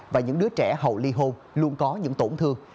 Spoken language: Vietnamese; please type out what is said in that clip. và những đứa trẻ hầu ly hôn luôn có những tổn thương